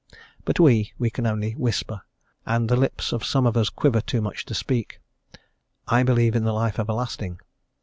But we, we can only, whisper and the lips of some of us quiver too much to speak "I believe in the life everlasting."